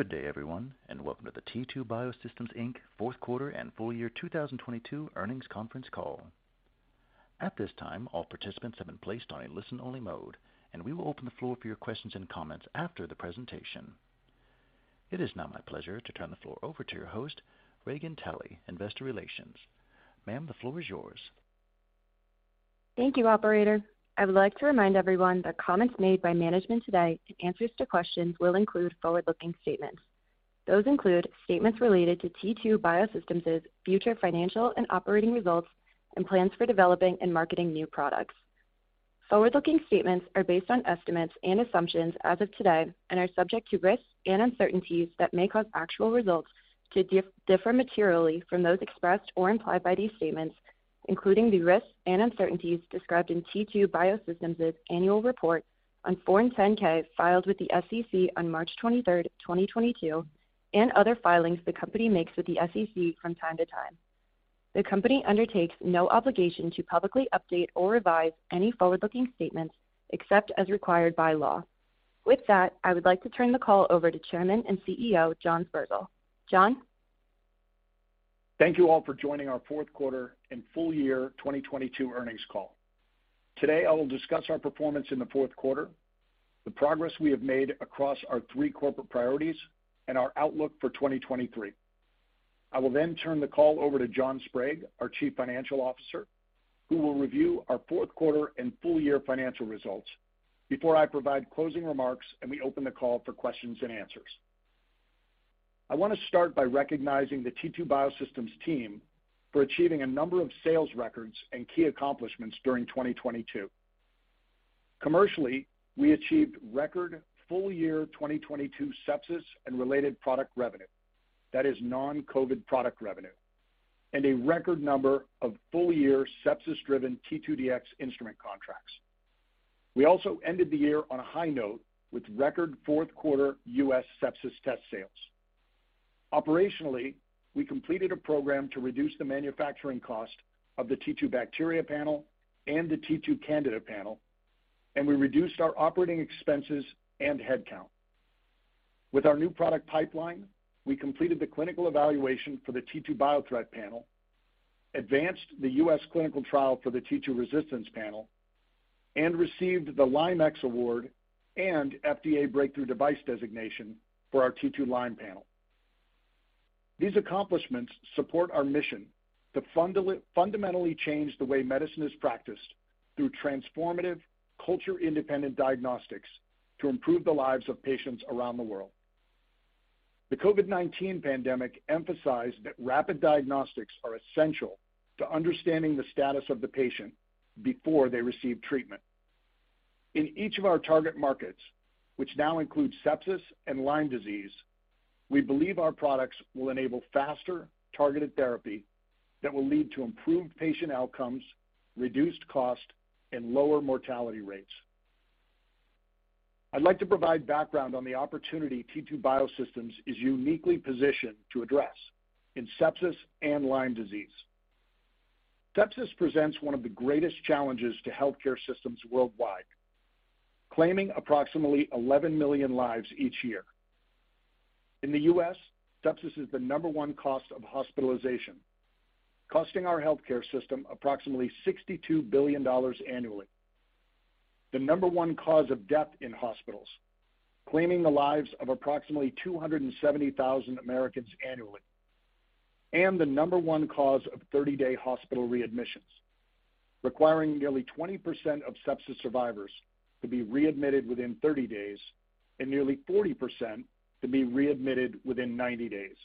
Good day, everyone, and welcome to the T2 Biosystems, Inc. Q4 and full-year 2022 earnings conference call. At this time, all participants have been placed on a listen-only mode, and we will open the floor for your questions and comments after the presentation. It is now my pleasure to turn the floor over to your host, Regan Tally, Investor Relations. Ma'am, the floor is yours. Thank you, operator. I would like to remind everyone that comments made by management today and answers to questions will include forward-looking statements. Those include statements related to T2 Biosystems' future financial and operating results and plans for developing and marketing new products. Forward-looking statements are based on estimates and assumptions as of today and are subject to risks and uncertainties that may cause actual results to differ materially from those expressed or implied by these statements, including the risks and uncertainties described in T2 Biosystems' annual report on Form 10-K filed with the SEC on March 23rd, 2022, and other filings the company makes with the SEC from time to time. The company undertakes no obligation to publicly update or revise any forward-looking statements except as required by law. With that, I would like to turn the call over to Chairman and CEO, John Sperzel. John? Thank you all for joining our Q4 and full-year 2022 earnings call. Today, I will discuss our performance in the Q4, the progress we have made across our three corporate priorities, and our outlook for 2023. I will turn the call over to John Sprague, our Chief Financial Officer, who will review our Q4 and full year financial results before I provide closing remarks and we open the call for questions and answers. I want to start by recognizing the T2 Biosystems team for achieving a number of sales records and key accomplishments during 2022. Commercially, we achieved record full-year 2022 sepsis and related product revenue that is non-COVID product revenue, and a record number of full-year sepsis-driven T2Dx Instrument contracts. We also ended the year on a high note with record Q4 U.S. sepsis test sales. Operationally, we completed a program to reduce the manufacturing cost of the T2Bacteria Panel and the T2Candida Panel. We reduced our operating expenses and headcount. With our new product pipeline, we completed the clinical evaluation for the T2Biothreat Panel, advanced the U.S. clinical trial for the T2Resistance Panel, and received the LymeX Award and FDA Breakthrough Device Designation for our T2Lyme Panel. These accomplishments support our mission to fundamentally change the way medicine is practiced through transformative culture-independent diagnostics to improve the lives of patients around the world. The COVID-19 pandemic emphasized that rapid diagnostics are essential to understanding the status of the patient before they receive treatment. In each of our target markets, which now include sepsis and Lyme disease, we believe our products will enable faster targeted therapy that will lead to improved patient outcomes, reduced cost, and lower mortality rates. I'd like to provide background on the opportunity T2 Biosystems is uniquely positioned to address in sepsis and Lyme disease. Sepsis presents one of the greatest challenges to healthcare systems worldwide, claiming approximately 11 million lives each year. In the U.S., sepsis is the number one cause of hospitalization, costing our healthcare system approximately $62 billion annually. The number one cause of death in hospitals, claiming the lives of approximately 270,000 Americans annually, and the number one cause of 30-day hospital readmissions, requiring nearly 20% of sepsis survivors to be readmitted within 30 days and nearly 40% to be readmitted within 90 days.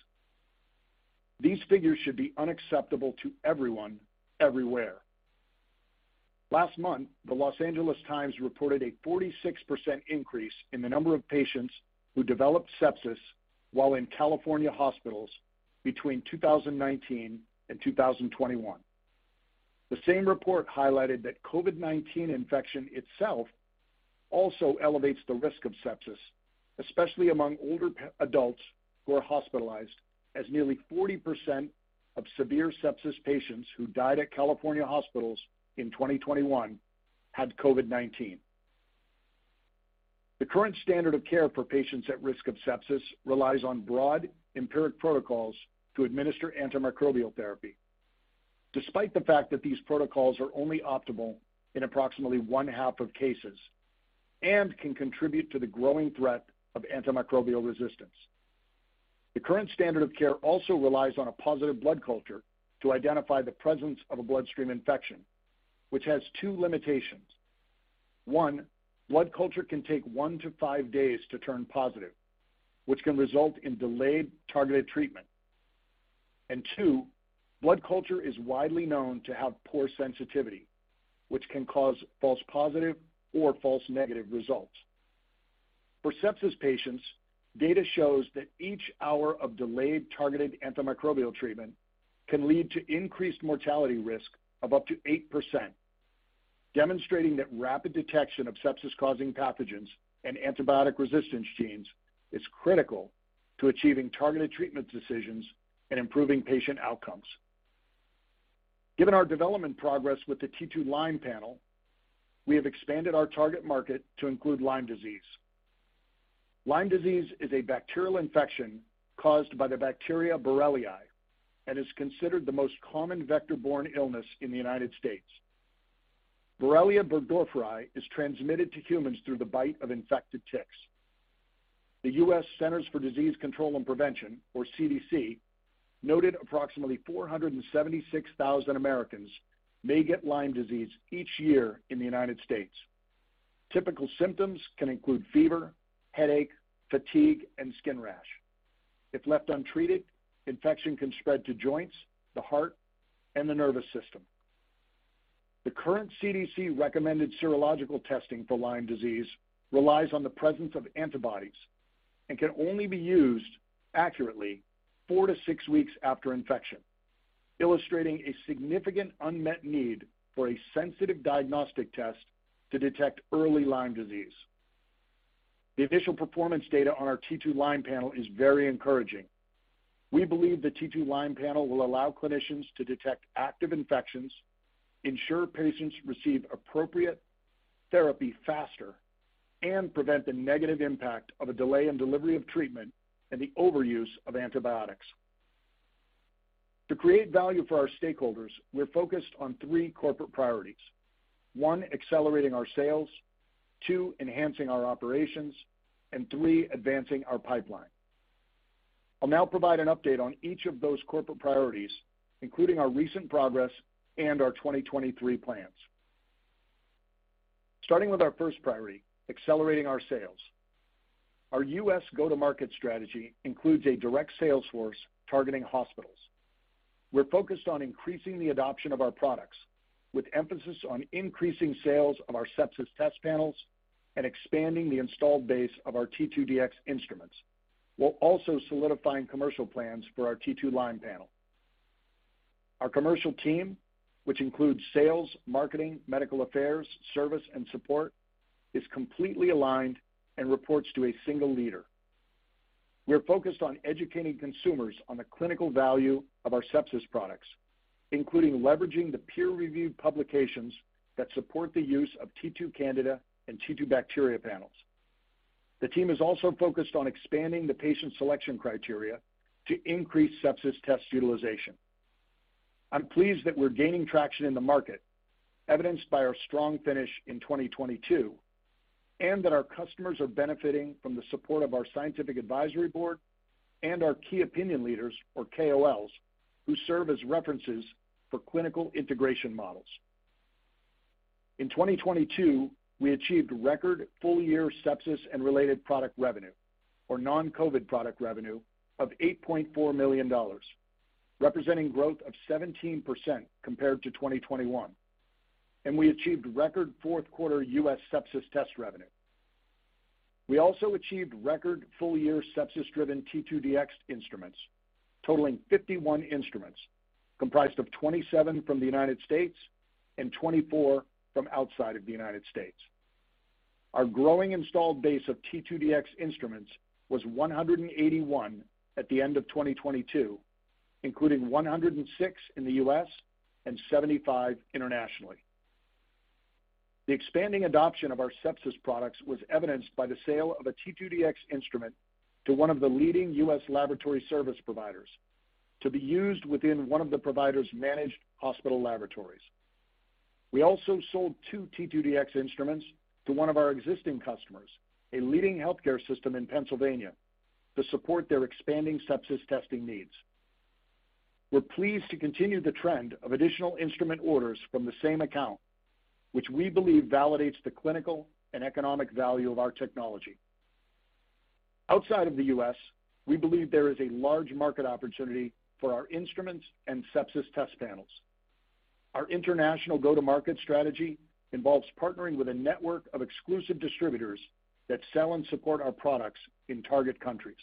These figures should be unacceptable to everyone, everywhere. Last month, the Los Angeles Times reported a 46% increase in the number of patients who developed sepsis while in California hospitals between 2019 and 2021. The same report highlighted that COVID-19 infection itself also elevates the risk of sepsis, especially among older adults who are hospitalized, as nearly 40% of severe sepsis patients who died at California hospitals in 2021 had COVID-19. The current standard of care for patients at risk of sepsis relies on broad empiric protocols to administer antimicrobial therapy, despite the fact that these protocols are only optimal in approximately one-half of cases and can contribute to the growing threat of antimicrobial resistance. The current standard of care also relies on a positive blood culture to identify the presence of a bloodstream infection, which has two limitations. One, blood culture can take one to five days to turn positive, which can result in delayed targeted treatment. Two, blood culture is widely known to have poor sensitivity, which can cause false positive or false negative results. For sepsis patients, data shows that each hour of delayed targeted antimicrobial treatment can lead to increased mortality risk of up to 8%, demonstrating that rapid detection of sepsis-causing pathogens and antibiotic resistance genes is critical to achieving targeted treatment decisions and improving patient outcomes. Given our development progress with the T2Lyme Panel, we have expanded our target market to include Lyme disease. Lyme disease is a bacterial infection caused by the bacteria Borrelia, and is considered the most common vector-borne illness in the United States. Borrelia burgdorferi is transmitted to humans through the bite of infected ticks. The U.S. Centers for Disease Control and Prevention, or CDC, noted approximately 476,000 Americans may get Lyme disease each year in the United States. Typical symptoms can include fever, headache, fatigue, and skin rash. If left untreated, infection can spread to joints, the heart, and the nervous system. The current CDC-recommended serological testing for Lyme disease relies on the presence of antibodies and can only be used accurately four to six weeks after infection, illustrating a significant unmet need for a sensitive diagnostic test to detect early Lyme disease. The initial performance data on our T2Lyme Panel is very encouraging. We believe the T2Lyme Panel will allow clinicians to detect active infections, ensure patients receive appropriate therapy faster, and prevent the negative impact of a delay in delivery of treatment and the overuse of antibiotics. To create value for our stakeholders, we're focused on three corporate priorities. One, accelerating our sales. Two, enhancing our operations. Three, advancing our pipeline. I'll now provide an update on each of those corporate priorities, including our recent progress and our 2023 plans. Starting with our first priority, accelerating our sales. Our U.S. go-to-market strategy includes a direct sales force targeting hospitals. We're focused on increasing the adoption of our products with emphasis on increasing sales of our sepsis test panels and expanding the installed base of our T2Dx Instruments, while also solidifying commercial plans for our T2Lyme Panel. Our commercial team, which includes sales, marketing, medical affairs, service, and support, is completely aligned and reports to a single leader. We are focused on educating consumers on the clinical value of our sepsis products, including leveraging the peer-reviewed publications that support the use of T2Candida and T2Bacteria panels. The team is also focused on expanding the patient selection criteria to increase sepsis test utilization. I'm pleased that we're gaining traction in the market, evidenced by our strong finish in 2022, and that our customers are benefiting from the support of our scientific advisory board and our Key Opinion Leaders, or KOLs, who serve as references for clinical integration models. In 2022, we achieved record full-year sepsis and related product revenue, or non-COVID product revenue, of $8.4 million, representing growth of 17% compared to 2021. We achieved record Q4 U.S. sepsis test revenue. We also achieved record full-year sepsis-driven T2Dx Instruments, totaling 51 instruments, comprised of 27 from the United States and 24 from outside of the United States. Our growing installed base of T2Dx Instruments was 181 at the end of 2022, including 106 in the U.S. and 75 internationally. The expanding adoption of our sepsis products was evidenced by the sale of a T2Dx Instrument to one of the leading U.S. laboratory service providers to be used within one of the provider's managed hospital laboratories. We also sold two T2Dx Instruments to one of our existing customers, a leading healthcare system in Pennsylvania, to support their expanding sepsis testing needs. We're pleased to continue the trend of additional instrument orders from the same account, which we believe validates the clinical and economic value of our technology. Outside of the U.S., we believe there is a large market opportunity for our instruments and sepsis test panels. Our international go-to-market strategy involves partnering with a network of exclusive distributors that sell and support our products in target countries.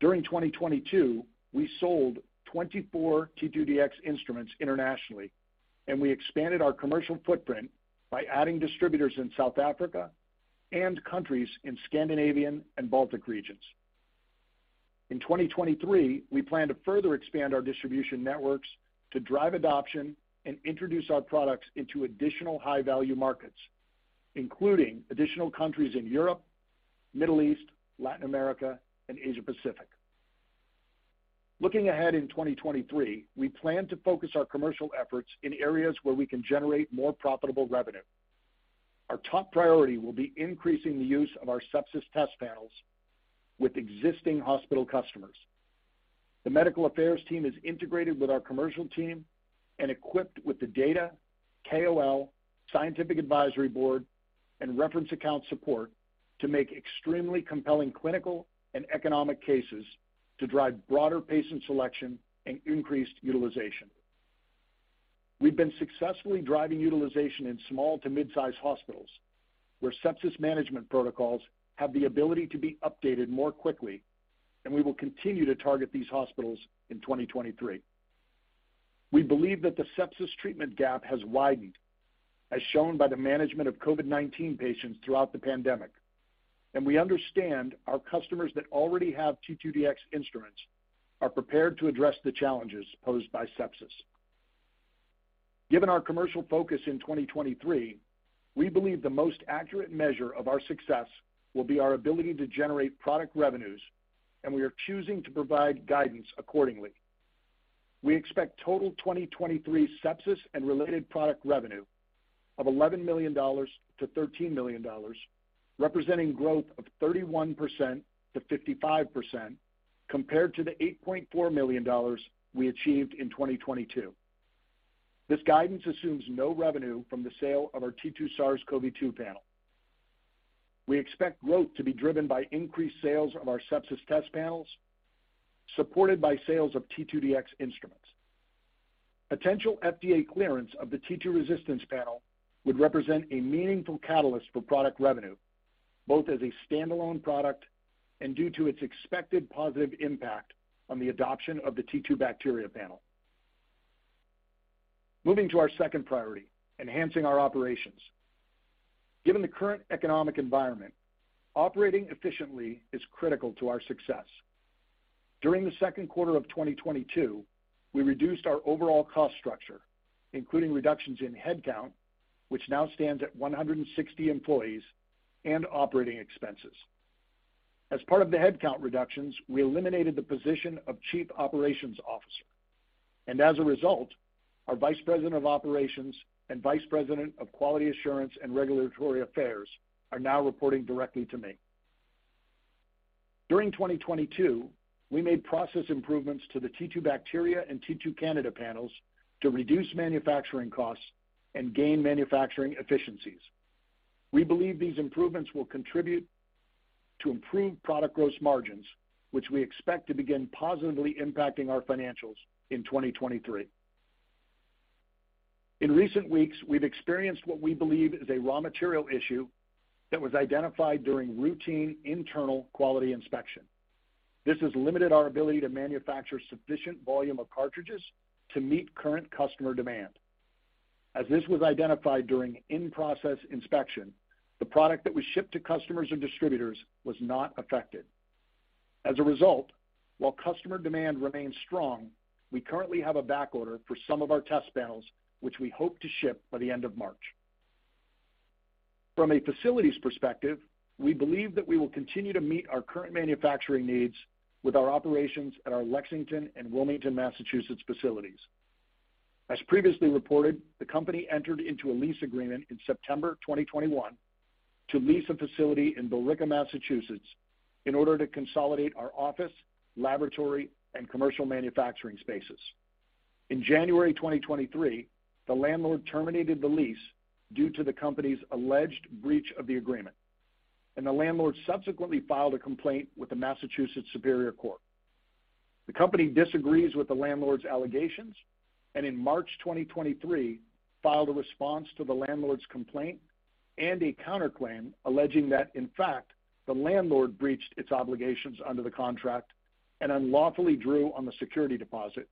During 2022, we sold 24 T2Dx instruments internationally. We expanded our commercial footprint by adding distributors in South Africa and countries in Scandinavian and Baltic regions. In 2023, we plan to further expand our distribution networks to drive adoption and introduce our products into additional high-value markets, including additional countries in Europe, Middle East, Latin America, and Asia Pacific. Looking ahead in 2023, we plan to focus our commercial efforts in areas where we can generate more profitable revenue. Our top priority will be increasing the use of our sepsis test panels with existing hospital customers. The medical affairs team is integrated with our commercial team and equipped with the data, KOL, scientific advisory board, and reference account support to make extremely compelling clinical and economic cases to drive broader patient selection and increased utilization. We've been successfully driving utilization in small to mid-size hospitals, where sepsis management protocols have the ability to be updated more quickly. We will continue to target these hospitals in 2023. We believe that the sepsis treatment gap has widened, as shown by the management of COVID-19 patients throughout the pandemic. We understand our customers that already have T2Dx Instruments are prepared to address the challenges posed by sepsis. Given our commercial focus in 2023, we believe the most accurate measure of our success will be our ability to generate product revenues. We are choosing to provide guidance accordingly. We expect total 2023 sepsis and related product revenue of $11 million to $13 million, representing growth of 31%-55% compared to the $8.4 million we achieved in 2022. This guidance assumes no revenue from the sale of our T2SARS-CoV-2 Panel. We expect growth to be driven by increased sales of our sepsis test panels, supported by sales of T2Dx instruments. Potential FDA clearance of the T2Resistance Panel would represent a meaningful catalyst for product revenue, both as a standalone product and due to its expected positive impact on the adoption of the T2Bacteria Panel. Moving to our second priority, enhancing our operations. Given the current economic environment, operating efficiently is critical to our success. During the Q2 of 2022, we reduced our overall cost structure, including reductions in headcount, which now stands at 160 employees and operating expenses. As part of the headcount reductions, we eliminated the position of chief operations officer. As a result, our vice president of operations and vice president of quality assurance and regulatory affairs are now reporting directly to me. During 2022, we made process improvements to the T2Bacteria and T2Candida panels to reduce manufacturing costs and gain manufacturing efficiencies. We believe these improvements will contribute to improved product gross margins, which we expect to begin positively impacting our financials in 2023. In recent weeks, we've experienced what we believe is a raw material issue that was identified during routine internal quality inspection. This has limited our ability to manufacture sufficient volume of cartridges to meet current customer demand. As this was identified during in-process inspection, the product that was shipped to customers and distributors was not affected. As a result, while customer demand remains strong, we currently have a backorder for some of our test panels, which we hope to ship by the end of March. From a facilities perspective, we believe that we will continue to meet our current manufacturing needs with our operations at our Lexington and Wilmington, Massachusetts facilities. As previously reported, the company entered into a lease agreement in September 2021 to lease a facility in Billerica, Massachusetts, in order to consolidate our office, laboratory, and commercial manufacturing spaces. In January 2023, the landlord terminated the lease due to the company's alleged breach of the agreement, and the landlord subsequently filed a complaint with the Massachusetts Superior Court. The company disagrees with the landlord's allegations, and in March 2023, filed a response to the landlord's complaint and a counterclaim alleging that, in fact, the landlord breached its obligations under the contract and unlawfully drew on the security deposit.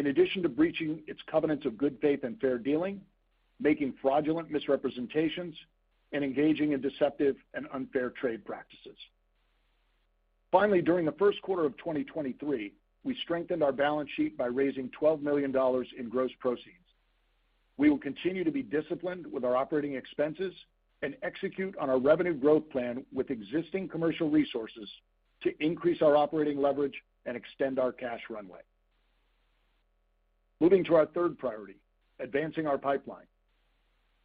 In addition to breaching its covenants of good faith and fair dealing, making fraudulent misrepresentations, and engaging in deceptive and unfair trade practices. Finally, during the Q1 of 2023, we strengthened our balance sheet by raising $12 million in gross proceeds. We will continue to be disciplined with our operating expenses and execute on our revenue growth plan with existing commercial resources to increase our operating leverage and extend our cash runway. Moving to our third priority, advancing our pipeline.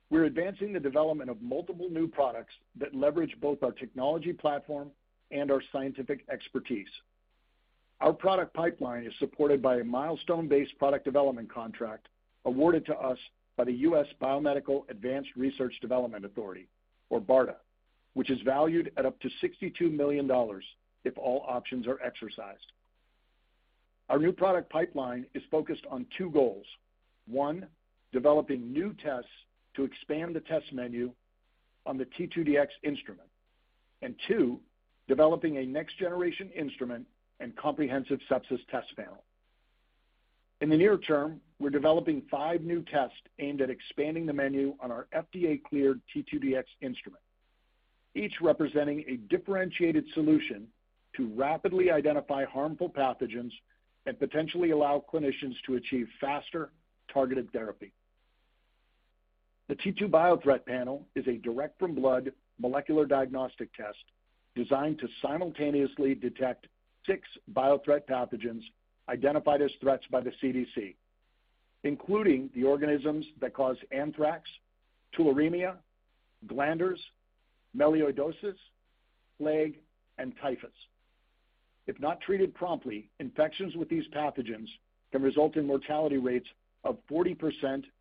We're advancing the development of multiple new products that leverage both our technology platform and our scientific expertise. Our product pipeline is supported by a milestone-based product development contract awarded to us by the U.S. Biomedical Advanced Research and Development Authority, or BARDA, which is valued at up to $62 million if all options are exercised. Our new product pipeline is focused on two goals. One, developing new tests to expand the test menu on the T2Dx Instrument. Two, developing a next-generation instrument and comprehensive sepsis test panel. In the near term, we're developing five new tests aimed at expanding the menu on our FDA-cleared T2Dx Instrument, each representing a differentiated solution to rapidly identify harmful pathogens and potentially allow clinicians to achieve faster targeted therapy. The T2Biothreat Panel is a direct from blood molecular diagnostic test designed to simultaneously detect six biothreat pathogens identified as threats by the CDC, including the organisms that cause anthrax, tularemia, glanders, melioidosis, plague, and typhus. If not treated promptly, infections with these pathogens can result in mortality rates of 40%-90%.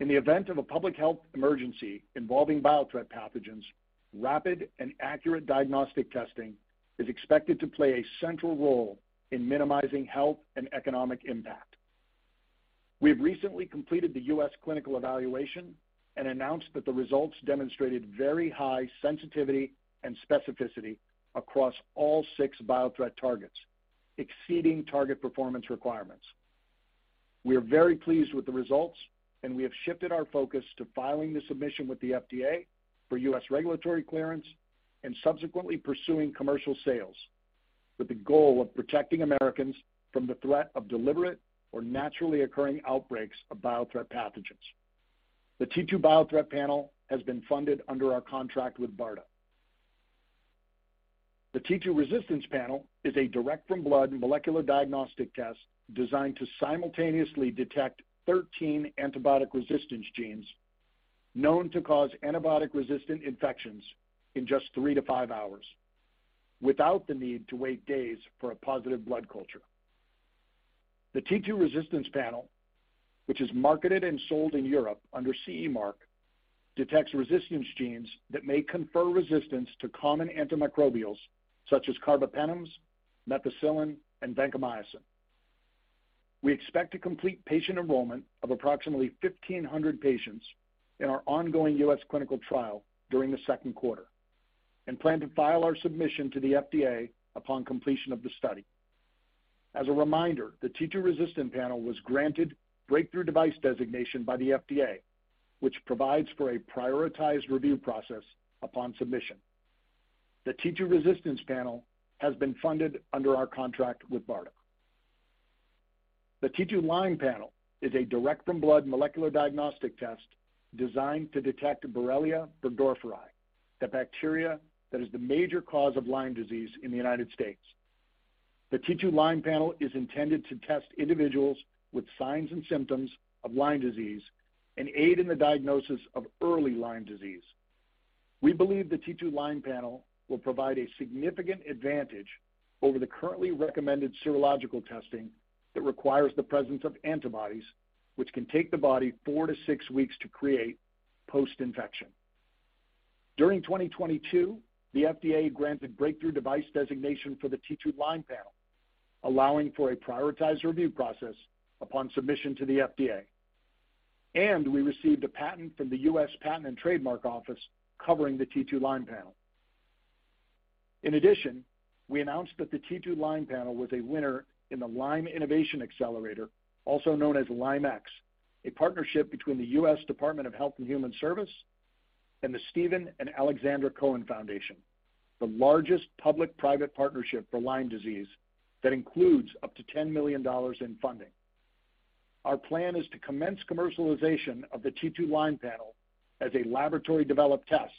In the event of a public health emergency involving biothreat pathogens, rapid and accurate diagnostic testing is expected to play a central role in minimizing health and economic impact. We have recently completed the U.S. clinical evaluation and announced that the results demonstrated very high sensitivity and specificity across all six biothreat targets, exceeding target performance requirements. We are very pleased with the results, and we have shifted our focus to filing the submission with the FDA for U.S. regulatory clearance and subsequently pursuing commercial sales with the goal of protecting Americans from the threat of deliberate or naturally occurring outbreaks of biothreat pathogens. The T2 Biothreat Panel has been funded under our contract with BARDA. The T2Resistance Panel is a direct from blood molecular diagnostic test designed to simultaneously detect 13 antibiotic resistance genes known to cause antibiotic-resistant infections in just three to five hours without the need to wait days for a positive blood culture. The T2Resistance Panel, which is marketed and sold in Europe under CE mark, detects resistance genes that may confer resistance to common antimicrobials such as carbapenems, methicillin, and vancomycin. We expect to complete patient enrollment of approximately 1,500 patients in our ongoing US clinical trial during the Q2 and plan to file our submission to the FDA upon completion of the study. As a reminder, the T2Resistance Panel was granted Breakthrough Device Designation by the FDA, which provides for a prioritized review process upon submission. The T2Resistance Panel has been funded under our contract with BARDA. The T2Lyme Panel is a direct from blood molecular diagnostic test designed to detect Borrelia burgdorferi, the bacteria that is the major cause of Lyme disease in the U.S. The T2Lyme Panel is intended to test individuals with signs and symptoms of Lyme disease and aid in the diagnosis of early Lyme disease. We believe the T2Lyme Panel will provide a significant advantage over the currently recommended serological testing that requires the presence of antibodies, which can take the body four to six weeks to create post-infection. During 2022, the FDA granted Breakthrough Device Designation for the T2Lyme Panel, allowing for a prioritized review process upon submission to the FDA. We received a patent from the U.S. Patent and Trademark Office covering the T2Lyme Panel. In addition, we announced that the T2Lyme Panel was a winner in the LymeX Innovation Accelerator, also known as LymeX, a partnership between the U.S. Department of Health and Human Services and the Steven & Alexandra Cohen Foundation, the largest public-private partnership for Lyme disease that includes up to $10 million in funding. Our plan is to commence commercialization of the T2Lyme Panel as a laboratory-developed test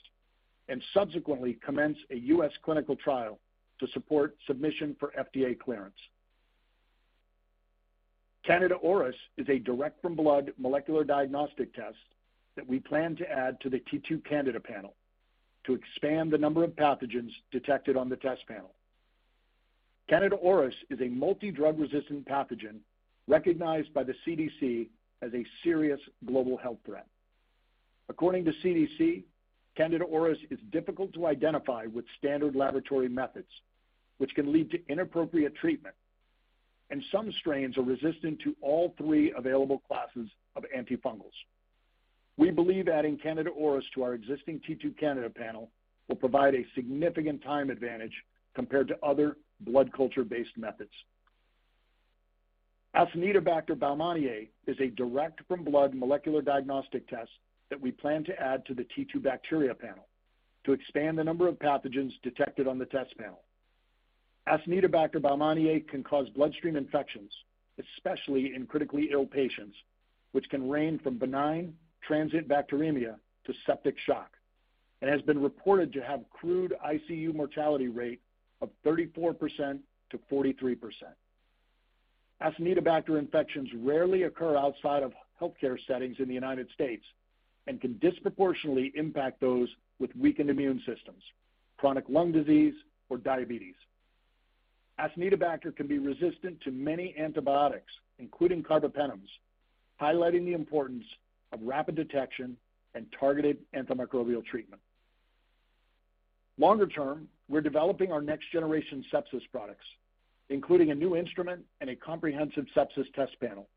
and subsequently commence a U.S. clinical trial to support submission for FDA clearance. Candida auris is a direct from blood molecular diagnostic test that we plan to add to the T2Candida Panel to expand the number of pathogens detected on the test panel. Candida auris is a multi-drug resistant pathogen recognized by the CDC as a serious global health threat. According to CDC, Candida auris is difficult to identify with standard laboratory methods, which can lead to inappropriate treatment, some strains are resistant to all three available classes of antifungals. We believe adding Candida auris to our existing T2Candida Panel will provide a significant time advantage compared to other blood culture-based methods. Acinetobacter baumannii is a direct from blood molecular diagnostic test that we plan to add to the T2Bacteria Panel to expand the number of pathogens detected on the test panel. Acinetobacter baumannii can cause bloodstream infections, especially in critically ill patients, which can range from benign transient bacteremia to septic shock, has been reported to have crude ICU mortality rate of 34%-43%. Acinetobacter infections rarely occur outside of healthcare settings in the United States can disproportionately impact those with weakened immune systems, chronic lung disease, or diabetes. Acinetobacter can be resistant to many antibiotics, including carbapenems, highlighting the importance of rapid detection and targeted antimicrobial treatment. Longer term, we're developing our next-generation sepsis products, including a new instrument and a comprehensive sepsis test panel.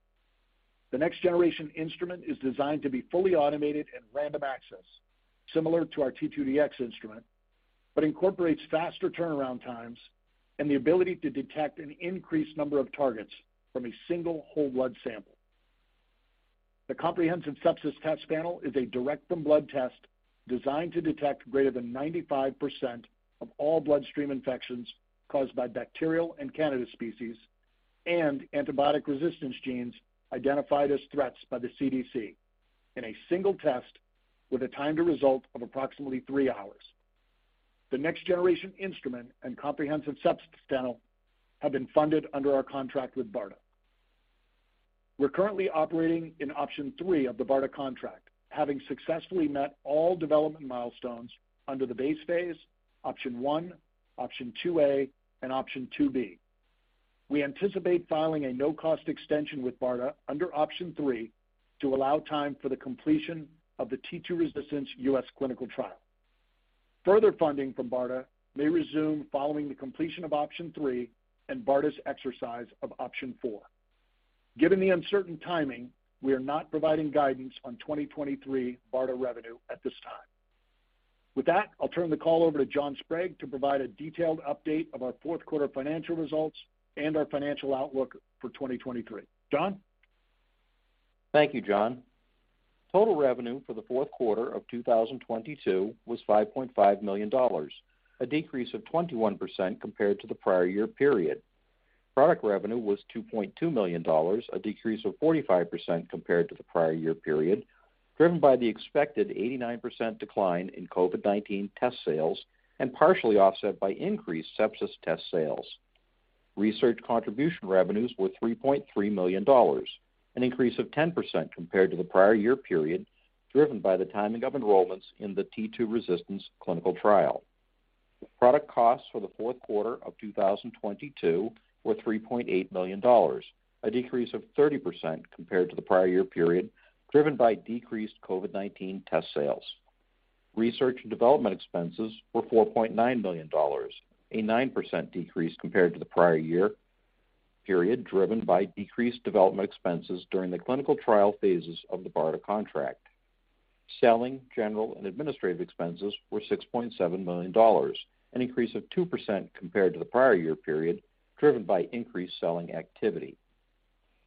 The next generation instrument is designed to be fully automated and random access, similar to our T2Dx Instrument, but incorporates faster turnaround times and the ability to detect an increased number of targets from a single whole blood sample. The comprehensive sepsis test panel is a direct from blood test designed to detect greater than 95% of all bloodstream infections caused by bacterial and Candida species and antibiotic resistance genes identified as threats by the CDC in a single test with a time to result of approximately three hours. The next generation instrument and comprehensive sepsis panel have been funded under our contract with BARDA. We're currently operating in Option 3 of the BARDA contract, having successfully met all development milestones under the base phase, Option 1, Option 2A, and Option 2B. We anticipate filing a no-cost extension with BARDA under Option 3 to allow time for the completion of the T2Resistance U.S. clinical trial. Further funding from BARDA may resume following the completion of Option 3 and BARDA's exercise of Option 4. Given the uncertain timing, we are not providing guidance on 2023 BARDA revenue at this time. I'll turn the call over to John Sprague to provide a detailed update of our Q4 financial results and our financial outlook for 2023. John? Thank you, John. Total revenue for the Q4 of 2022 was $5.5 million, a decrease of 21% compared to the prior year period. Product revenue was $2.2 million, a decrease of 45% compared to the prior year period, driven by the expected 89% decline in COVID-19 test sales and partially offset by increased sepsis test sales. Research contribution revenues were $3.3 million, an increase of 10% compared to the prior year period, driven by the timing of enrollments in the T2Resistance clinical trial. Product costs for the Q4 of 2022 were $3.8 million, a decrease of 30% compared to the prior year period, driven by decreased COVID-19 test sales. Research and development expenses were $4.9 million, a 9% decrease compared to the prior-year period, driven by decreased development expenses during the clinical trial phases of the BARDA contract. Selling, general and administrative expenses were $6.7 million, an increase of 2% compared to the prior-year period, driven by increased selling activity.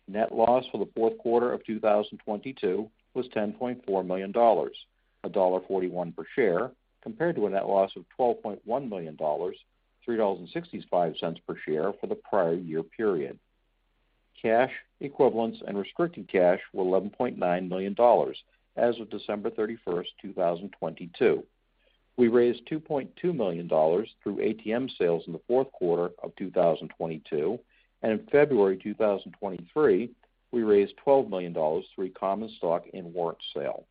Net loss for the Q4 of 2022 was $10.4 million, $1.41 per share, compared to a net loss of $12.1 million, $3.65 per share for the prior-year period. Cash equivalents and restricted cash were $11.9 million as of December 31st, 2022. We raised $2.2 million through ATM sales in the Q4 of 2022. In February 2023, we raised $12 million through a common stock and warrant sale.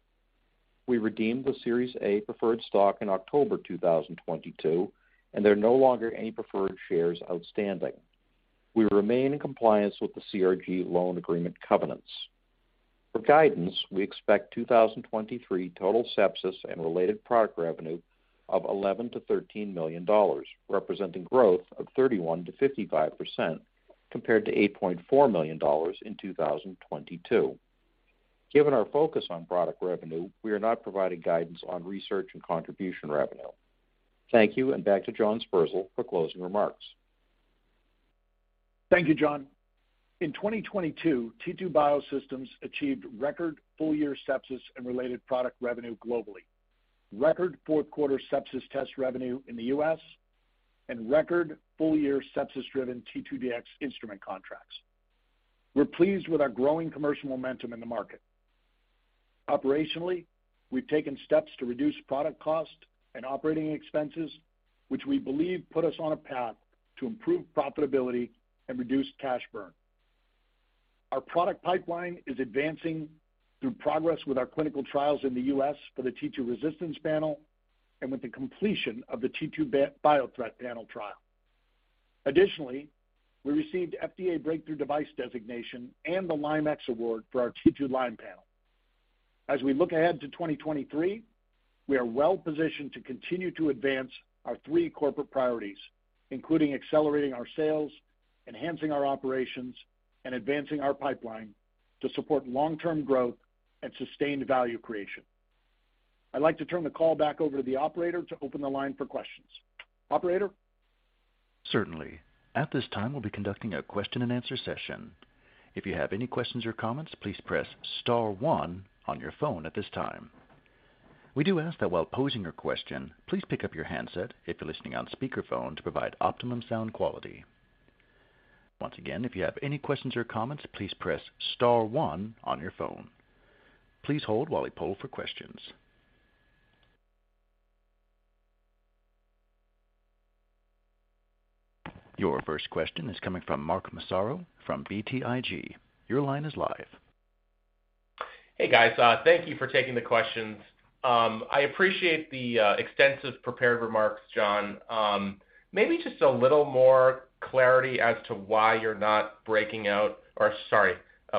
We redeemed the Series A preferred stock in October 2022. There are no longer any preferred shares outstanding. We remain in compliance with the CRG loan agreement covenants. For guidance, we expect 2023 total sepsis and related product revenue of $11 million-$13 million, representing growth of 31%-55% compared to $8.4 million in 2022. Given our focus on product revenue, we are not providing guidance on research and contribution revenue. Thank you. Back to John Sperzel for closing remarks. Thank you, John. In 2022, T2 Biosystems achieved record full-year sepsis and related product revenue globally, record Q4 sepsis test revenue in the U.S., and record full-year sepsis-driven T2Dx Instrument contracts. We're pleased with our growing commercial momentum in the market. Operationally, we've taken steps to reduce product cost and operating expenses, which we believe put us on a path to improve profitability and reduce cash burn. Our product pipeline is advancing through progress with our clinical trials in the U.S. for the T2Resistance Panel and with the completion of the T2Biothreat Panel trial. Additionally, we received FDA Breakthrough Device Designation and the LymeX Award for our T2Lyme Panel. As we look ahead to 2023, we are well-positioned to continue to advance our three corporate priorities, including accelerating our sales, enhancing our operations, and advancing our pipeline to support long-term growth and sustained value creation. I'd like to turn the call back over to the operator to open the line for questions. Operator? Certainly. At this time, we'll be conducting a question-and-answer session. If you have any questions or comments, please press star one on your phone at this time. We do ask that while posing your question, please pick up your handset if you're listening on speakerphone to provide optimum sound quality. Once again, if you have any questions or comments, please press star one on your phone. Please hold while we poll for questions. Your first question is coming from Mark Massaro from BTIG. Your line is live. Hey, guys. Thank you for taking the questions. I appreciate the extensive prepared remarks, John. Maybe just a little more clarity as to why you're not breaking out or sorry,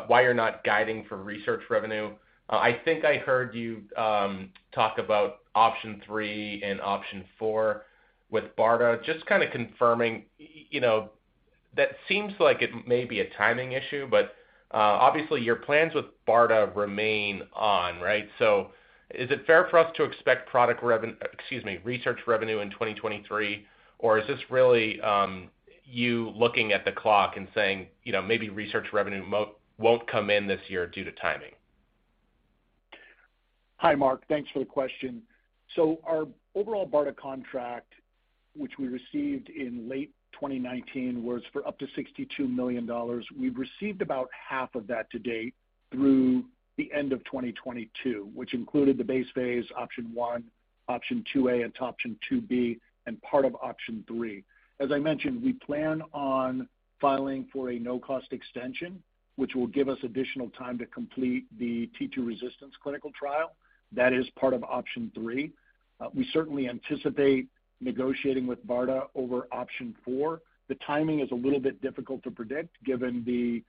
why you're not guiding for research revenue. I think I heard you talk about Option 3 and Option 4 with BARDA. Just kind of confirming, you know, that seems like it may be a timing issue, but obviously your plans with BARDA remain on, right? Is it fair for us to expect product excuse me, research revenue in 2023, or is this really, you looking at the clock and saying, you know, maybe research revenue won't come in this year due to timing? Hi, Mark. Thanks for the question. Our overall BARDA contract, which we received in late 2019, was for up to $62 million. We've received about half of that to date through the end of 2022, which included the base phase, Option 1, Option 2A and Option 2B, and part of Option 3. As I mentioned, we plan on filing for a no-cost extension, which will give us additional time to complete the T2Resistance clinical trial. That is part of Option 3. We certainly anticipate negotiating with BARDA over Option 4. The timing is a little bit difficult to predict given the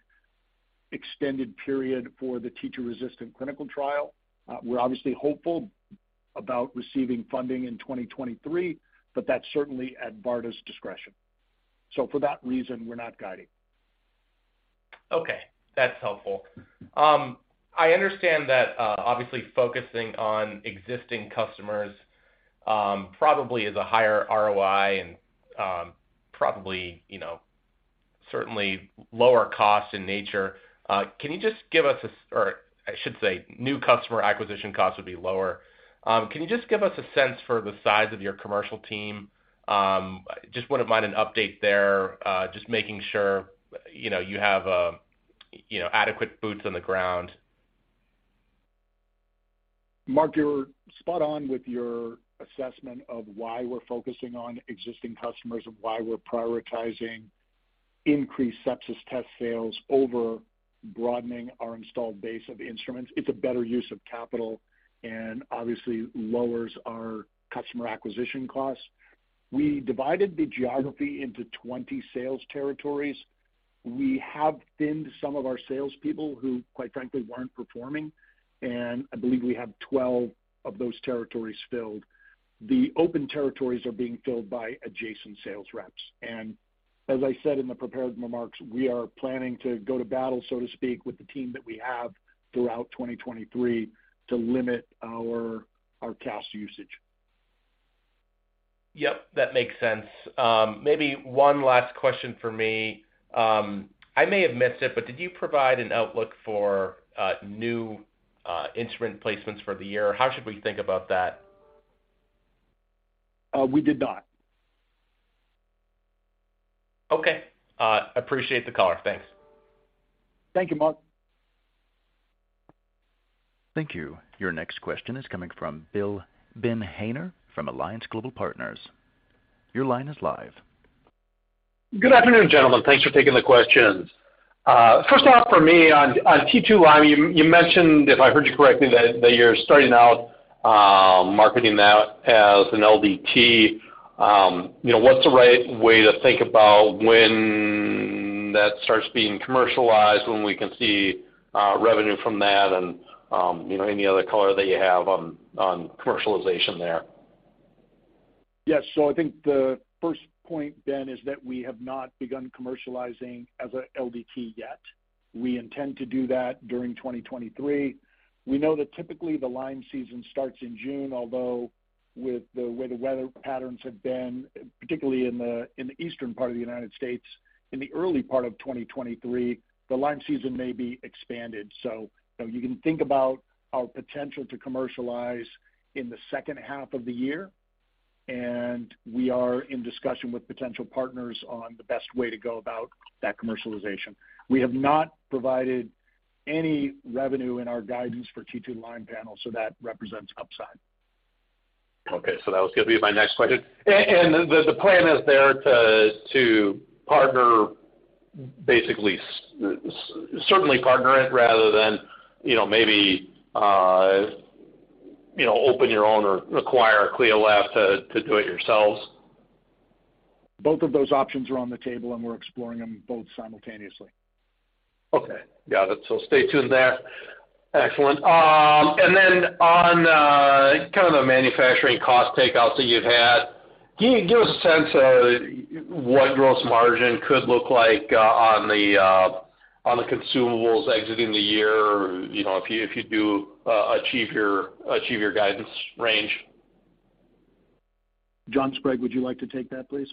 extended period for the T2Resistance clinical trial. We're obviously hopeful about receiving funding in 2023, but that's certainly at BARDA's discretion. For that reason, we're not guiding. Okay, that's helpful. I understand that, obviously focusing on existing customers, probably is a higher ROI and, probably, you know, certainly lower cost in nature. New customer acquisition costs would be lower. Can you just give us a sense for the size of your commercial team? Just wouldn't mind an update there, just making sure, you know, you have, you know, adequate boots on the ground. Mark, you're spot on with your assessment of why we're focusing on existing customers and why we're prioritizing increased sepsis test sales over broadening our installed base of instruments. It's a better use of capital and obviously lowers our customer acquisition costs. We divided the geography into 20 sales territories. We have thinned some of our salespeople who, quite frankly, weren't performing, and I believe we have 12 of those territories filled. The open territories are being filled by adjacent sales reps. As I said in the prepared remarks, we are planning to go to battle, so to speak, with the team that we have throughout 2023 to limit our cash usage. Yep, that makes sense. Maybe one last question for me. I may have missed it, but did you provide an outlook for new instrument placements for the year? How should we think about that? We did not. Okay. Appreciate the color. Thanks. Thank you, Mark. Thank you. Your next question is coming from Ben Haynor from Alliance Global Partners. Your line is live. Good afternoon, gentlemen. Thanks for taking the questions. First off for me on T2Lyme, you mentioned, if I heard you correctly, that you're starting out marketing that as an LDT. You know, what's the right way to think about when that starts being commercialized, when we can see revenue from that and, you know, any other color that you have on commercialization there? Yes. I think the first point is that we have not begun commercializing as a LDT yet. We intend to do that during 2023. We know that typically the Lyme season starts in June, although with the way the weather patterns have been, particularly in the, in the eastern part of the United States in the early part of 2023, the Lyme season may be expanded. You can think about our potential to commercialize in the second half of the year. We are in discussion with potential partners on the best way to go about that commercialization. We have not provided any revenue in our guidance for T2Lyme Panel. That represents upside. That was going to be my next question. And the plan is there to partner basically Certainly partner it rather than, you know, maybe, you know, open your own or acquire a CLIA lab to do it yourselves. Both of those options are on the table, and we're exploring them both simultaneously. Okay. Got it. Stay tuned there. Excellent. Then on, kind of the manufacturing cost takeouts that you've had, can you give us a sense of what gross margin could look like on the consumables exiting the year, you know, if you do achieve your guidance range? John Sprague, would you like to take that, please?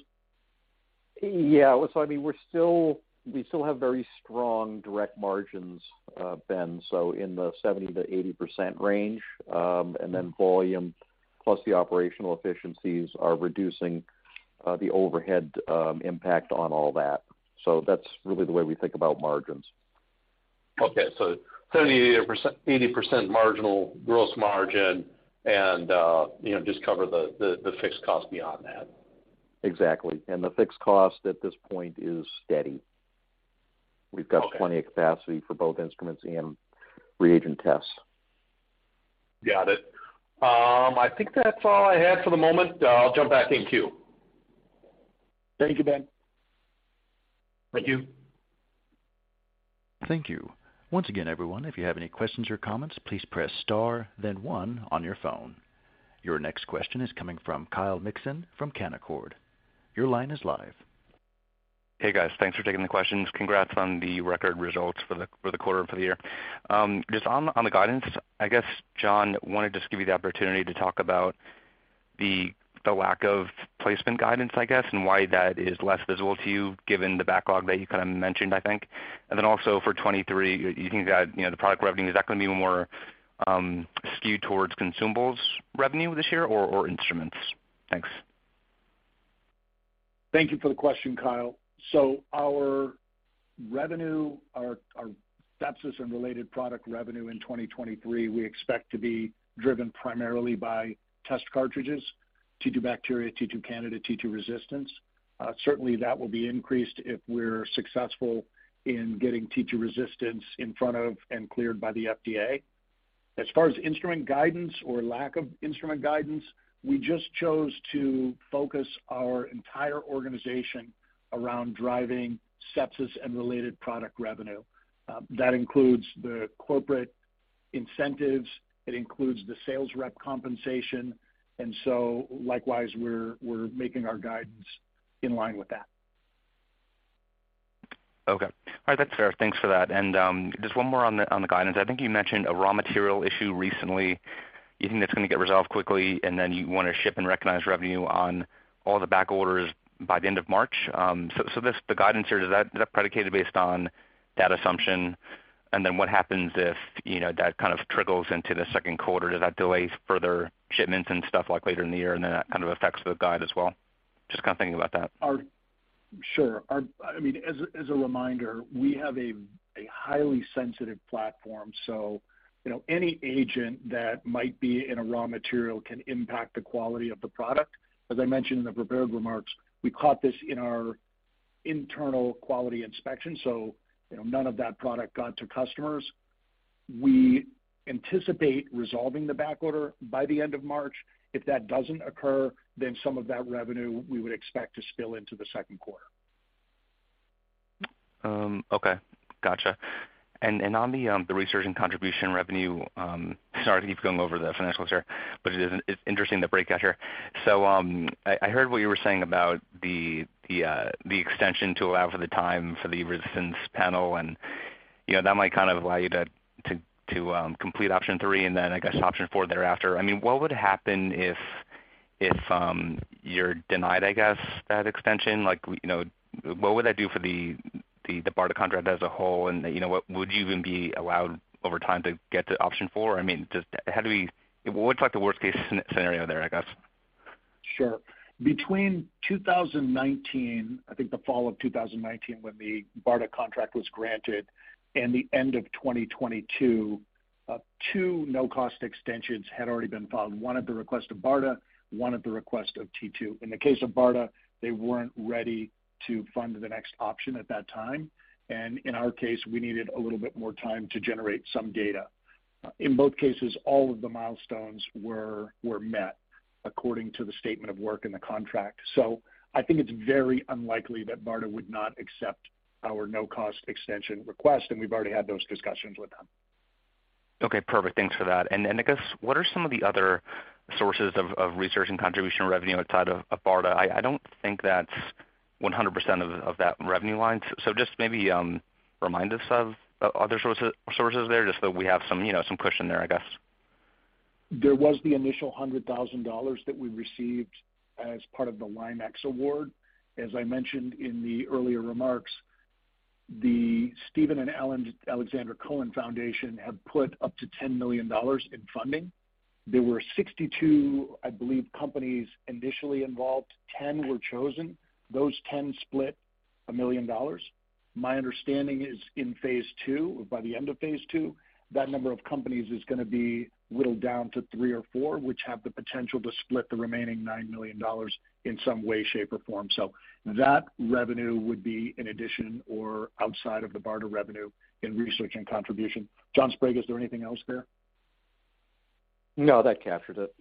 I mean, we still have very strong direct margins, Ben, so in the 70%-80% range, volume plus the operational efficiencies are reducing the overhead impact on all that. That's really the way we think about margins. Okay. 70%-80% marginal gross margin and, you know, just cover the fixed cost beyond that. Exactly. The fixed cost at this point is steady. Okay. We've got plenty of capacity for both instruments and reagent tests. Got it. I think that's all I had for the moment. I'll jump back in queue. Thank you, Ben. Thank you. Thank you. Once again, everyone, if you have any questions or comments, please press star then one on your phone. Your next question is coming from Kyle Mikson from Canaccord. Your line is live. Hey, guys. Thanks for taking the questions. Congrats on the record results for the quarter and for the year. Just on the guidance, I guess, John, wanted to just give you the opportunity to talk about the lack of placement guidance, I guess, and why that is less visible to you given the backlog that you kind of mentioned, I think. Also for 2023, you think that, you know, the product revenue, is that going to be more skewed towards consumables revenue this year or instruments? Thanks. Thank you for the question, Kyle. Our revenue, our sepsis and related product revenue in 2023, we expect to be driven primarily by test cartridges, T2Bacteria, T2Candida, T2Resistance. Certainly that will be increased if we're successful in getting T2Resistance in front of and cleared by the FDA. As far as instrument guidance or lack of instrument guidance, we just chose to focus our entire organization around driving sepsis and related product revenue. That includes the corporate incentives, it includes the sales rep compensation. Likewise, we're making our guidance in line with that. Okay. All right, that's fair. Thanks for that. Just one more on the guidance. I think you mentioned a raw material issue recently. You think that's gonna get resolved quickly, and then you wanna ship and recognize revenue on all the back orders by the end of March? This, the guidance here, is that predicated based on that assumption? What happens if, you know, that kind of trickles into the Q2? Do that delays further shipments and stuff like later in the year, and then that kind of affects the guide as well? Just kinda thinking about that. Sure. I mean, as a reminder, we have a highly sensitive platform. You know, any agent that might be in a raw material can impact the quality of the product. As I mentioned in the prepared remarks, we caught this in our internal quality inspection, so, you know, none of that product got to customers. We anticipate resolving the backorder by the end of March. If that doesn't occur, some of that revenue we would expect to spill into the Q2. Okay. Gotcha. On the research and contribution revenue, sorry to keep going over the financials here, but it is, it's interesting, the breakout here. I heard what you were saying about the extension to allow for the time for the Resistance Panel and, you know, that might kind of allow you to complete Option 3 and then I guess Option 4 thereafter. I mean, what would happen if you're denied, I guess, that extension? Like, you know, what would that do for the BARDA contract as a whole? What would you even be allowed over time to get to Option 4? I mean, just how do we what's like the worst-case scenario there, I guess? Sure. Between 2019, I think the fall of 2019, when the BARDA contract was granted, and the end of 2022, two no-cost extensions had already been filed, one at the request of BARDA, one at the request of T2. In the case of BARDA, they weren't ready to fund the next option at that time, and in our case, we needed a little bit more time to generate some data. In both cases, all of the milestones were met according to the statement of work in the contract. I think it's very unlikely that BARDA would not accept our no-cost extension request, and we've already had those discussions with them. Okay, perfect. Thanks for that. I guess, what are some of the other sources of research and contribution revenue outside of BARDA? I don't think that's 100% of that revenue line. Just maybe remind us of other sources there, just so we have some, you know, some cushion there, I guess. There was the initial $100,000 that we received as part of the LymeX Award. As I mentioned in the earlier remarks, the Steven & Alexandra Cohen Foundation have put up to $10 million in funding. There were 62, I believe, companies initially involved. 10 were chosen. Those 10 splits $1 million. My understanding is in phase II, or by the end of phase II, that number of companies is going to be whittled down to three or four, which have the potential to split the remaining $9 million in some way, shape, or form. That revenue would be in addition or outside of the BARDA revenue in research and contribution. John Sprague, is there anything else there? No, that captures it.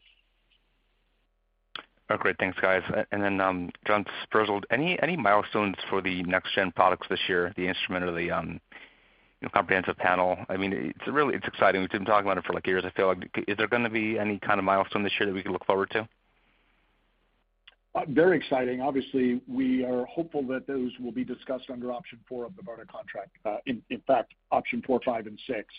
Oh, great. Thanks, guys. Then, John Sperzel, any milestones for the next gen products this year, the instrument or the, you know, comprehensive panel? I mean, it's really, it's exciting. We've been talking about it for, like, years, I feel like. Is there going to be any kind of milestone this year that we can look forward to? Very exciting. Obviously, we are hopeful that those will be discussed under Option 1 of the BARDA contract. In fact, Option 4, 5, and 6,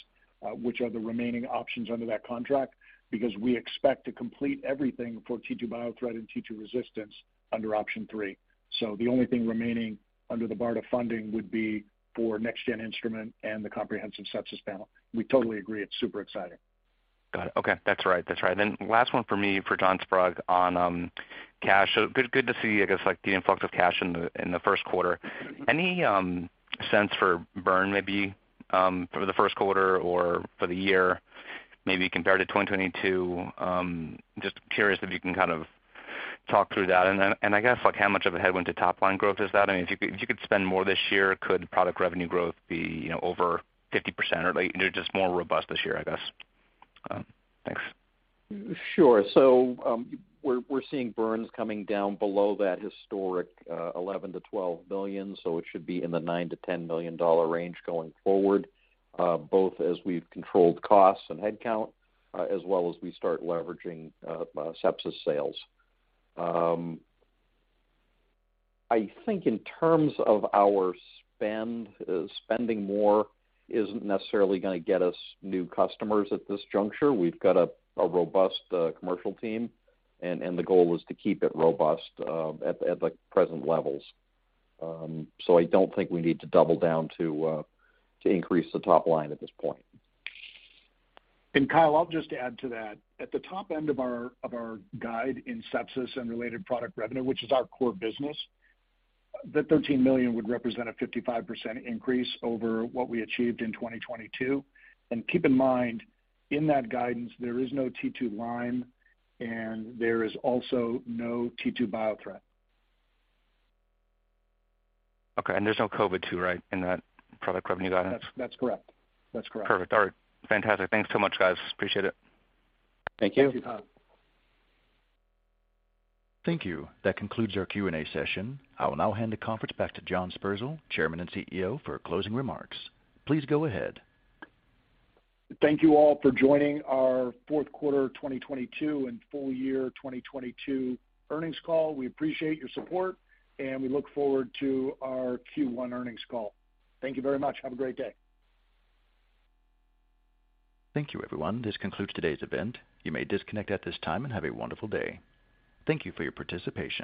which are the remaining options under that contract, because we expect to complete everything for T2Biothreat and T2Resistance under Option 3. The only thing remaining under the BARDA funding would be for next gen instrument and the comprehensive sepsis panel. We totally agree, it's super exciting. Got it. Okay. That's right, that's right. Last one for me, for John Sprague on cash. Good, good to see, I guess, like, the influx of cash in the Q1. Any sense for burn maybe for the Q1 or for the year, maybe compared to 2022? Just curious if you can kind of talk through that. I guess, like, how much of a headwind to top line growth is that? I mean, if you could spend more this year, could product revenue growth be, you know, over 50% or, you know, just more robust this year, I guess? Thanks. Sure. We're seeing burns coming down below that historic $11 million-$12 million, so it should be in the $9 million-$10 million range going forward, both as we've controlled costs and head count, as well as we start leveraging sepsis sales. I think in terms of our spend, spending more isn't necessarily going to get us new customers at this juncture. We've got a robust commercial team, and the goal is to keep it robust at, like, present levels. I don't think we need to double down to increase the top line at this point. Kyle, I'll just add to that. At the top end of our, of our guide in sepsis and related product revenue, which is our core business, the $13 million would represent a 55% increase over what we achieved in 2022. Keep in mind, in that guidance, there is no T2 Lyme, and there is also no T2 BioThreat. Okay, there's no COVID too, right, in that product revenue guidance? That's correct. That's correct. Perfect. All right. Fantastic. Thanks so much, guys. Appreciate it. Thank you. Thank you. Thank you. That concludes our Q&A session. I will now hand the conference back to John Sperzel, Chairman and CEO, for closing remarks. Please go ahead. Thank you all for joining our Q4 2022 and full-year 2022 earnings call. We appreciate your support, and we look forward to our Q1 earnings call. Thank you very much. Have a great day. Thank you, everyone. This concludes today's event. You may disconnect at this time and have a wonderful day. Thank you for your participation.